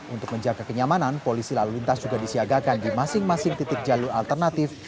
untuk menjaga kenyamanan polisi lalu lintas juga disiagakan di masing masing titik jalur alternatif